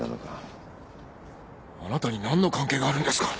あなたに何の関係があるんですか。